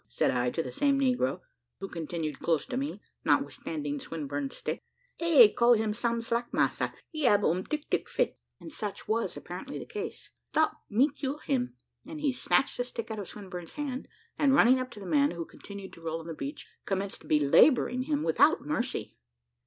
said I to the same negro, who continued close to me, notwithstanding Swinburne's stick. "Eh! call him Sam Slack, massa. He ab um tic tic fit." And such was apparently the case. "Stop, me cure him;" and he snatched the stick out of Swinburne's hand, and running up to the man, who continued to roll on the beach, commenced belabouring him without mercy.